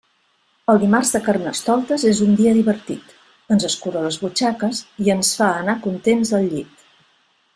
El dimarts de Carnestoltes és un dia divertit: ens escura les butxaques i ens fa anar contents al llit.